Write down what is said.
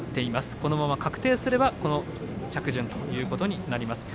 このまま確定すればこの着順ということになります。